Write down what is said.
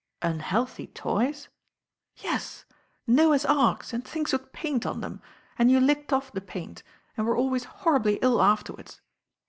"Unhealthy toys?" "Yes, Noah's Arks and things with paint on them, . and you licked off the paint and were always norribly ill afterwards."